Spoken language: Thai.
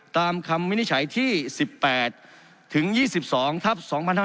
ตามคำมินิจฉัยที่๑๘ถึง๒๒ทับ๒๐๕๕